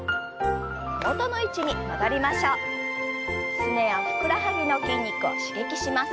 すねやふくらはぎの筋肉を刺激します。